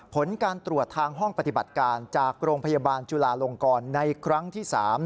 ผลการตรวจทางห้องปฏิบัติการจากโรงพยาบาลจุลาลงกรในครั้งที่๓